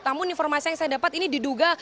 namun informasi yang saya dapat ini diduga